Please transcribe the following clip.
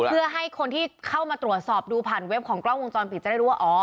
เพื่อให้คนที่เข้ามาตรวจสอบดูผ่านเว็บของกล้องวงจรปิดจะได้รู้ว่าอ๋อ